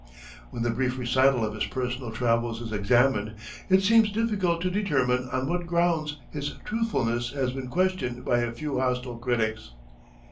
When the brief recital of his personal travels is examined, it seems difficult to determine on what grounds his truthfulness has been questioned by a few hostile critics.